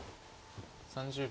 ３０秒。